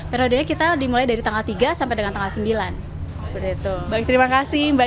periodenya kita dimulai dari tanggal tiga sampai dengan tanggal sembilan seperti itu baik terima kasih mbak